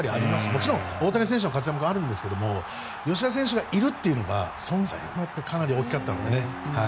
もちろん大谷選手の活躍もありますが吉田選手がいるというのが存在がかなり大きかったのでね。